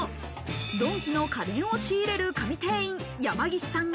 ドンキの家電を仕入れる神店員・山岸さんが。